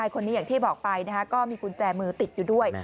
คนนี้อย่างที่บอกไปก็มีกุญแจมือติดอยู่ด้วย